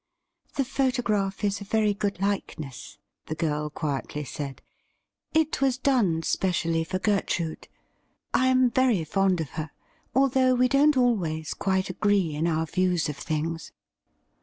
' The photograph is a very good likeness,' the girl quietly said. ' It was done specially for Gertrude. I am very fond of her, although we don't always quite agree in our views of things.'